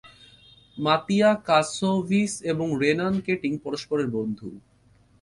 মাতিয়ো Kasovic এবং Ronan Keating পরস্পরের বন্ধু।